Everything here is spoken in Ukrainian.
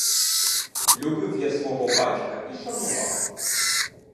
Любив я свого батька і шанував.